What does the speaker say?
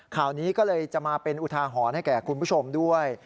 ข่าวนี้ก็เลยจะมาเป็นอุทาหรณ์ให้แก่คุณผู้ชมด้วย